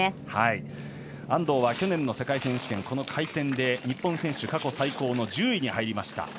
安藤は去年の世界選手権この回転で日本選手過去最高の１０位に入りました。